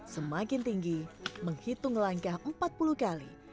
semakin tinggi menghitung langkah empat puluh kali